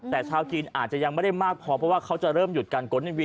แต่ชาวจีนอาจจะยังไม่ได้มากพอเพราะว่าเขาจะเริ่มหยุดการก้นในวี